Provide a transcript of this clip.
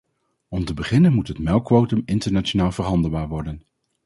Om te beginnen moet het melkquotum internationaal verhandelbaar worden.